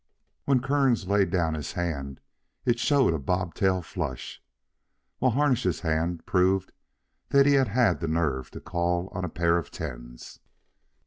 When Kearns laid down his hand it showed a bobtail flush, while Harnish's hand proved that he had had the nerve to call on a pair of tens.